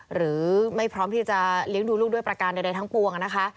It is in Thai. หรือไม่พร้อมที่จะเลี้ยงดูลูกด้วยประการใดทั้งปวงนะคะ